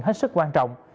hết sức quan trọng